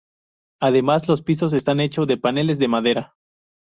Además, los pisos están hechos de paneles de madera.